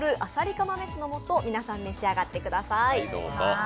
釜めしの素、皆さん、召し上がってください。